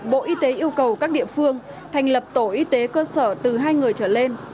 bộ y tế yêu cầu các địa phương thành lập tổ y tế cơ sở từ hai người trở lên